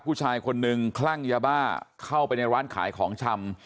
ผู้ชายคนนึงคลั่งยาบ้าเข้าไปในร้านขายของชำ